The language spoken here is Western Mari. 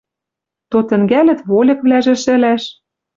То тӹнгӓлӹт вольыквлӓжӹ шӹлӓш